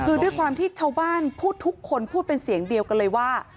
คือด้วยความที่ชาวบ้านพูดทุกคนพูดเป็นเสียงเดียวกันเลยว่า